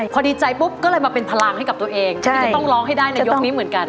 พอดีใจปุ๊บก็เลยมาเป็นพลังให้กับตัวเองที่จะต้องร้องให้ได้ในยกนี้เหมือนกัน